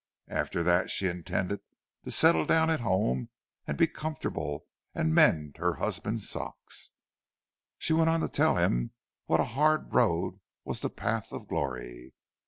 After that she intended to settle down at home and be comfortable, and mend her husband's socks. She went on to tell him what a hard road was the path of glory.